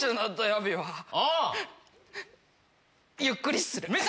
ゆっくりする。